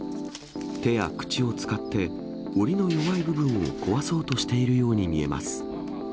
手や口を使って、おりの弱い部分を壊そうとしているように見えます。